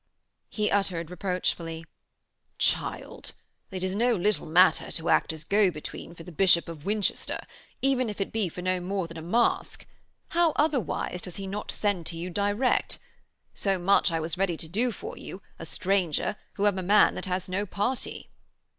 He uttered reproachfully: 'Child: it is no little matter to act as go between for the Bishop of Winchester, even if it be for no more than a masque. How otherwise does he not send to you direct? So much I was ready to do for you, a stranger, who am a man that has no party.'